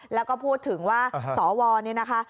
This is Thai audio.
แล้วก็พูดถึงว่าสวนี่นะคะ